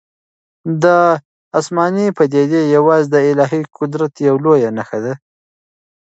دا آسماني پدیده یوازې د الهي قدرت یوه لویه نښه ده.